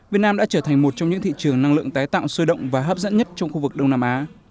việt nam đã trở thành một trong những thị trường năng lượng tái tạo sôi động và hấp dẫn nhất trong khu vực đông nam á